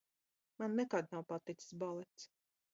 Man nekad nav paticis balets!